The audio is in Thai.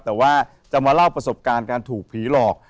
แต่ว่าจะมาเล่าประสบการณ์การถูกผีหลอก